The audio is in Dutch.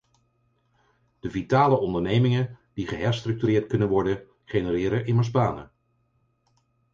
De vitale ondernemingen die geherstructureerd kunnen worden, genereren immers banen.